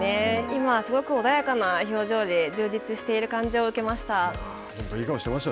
今はすごく穏やかな表情で充実している感じを受けました。